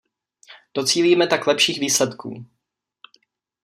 Docílíme tak lepších výsledků.